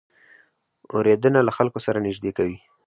اورېدنه له خلکو سره نږدې کوي.